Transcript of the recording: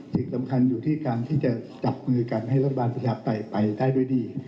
สิ่งสำคัญอยู่ที่การที่จะจับมือกันให้รัฐบาลประชาปไตยไปได้ด้วยดี